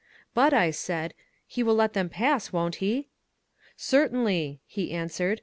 "But," I said, "he will let them pass, won't he?" Certainly," he answered.